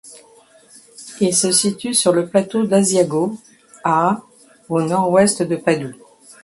Il se situe sur le plateau d'Asiago, à au Nord-Ouest de Padoue.